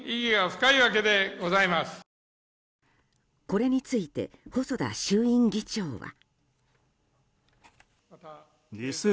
これについて細田衆院議長は。